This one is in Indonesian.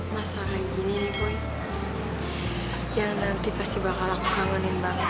masalahnya gini yang nanti pasti bakal aku kangenin banget